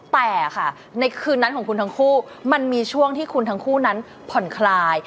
แต่ค่ะในคืนนั้นของคุณทั้งคู่มันมีช่วงที่คุณทั้งคู่นั้นผ่อนคลาย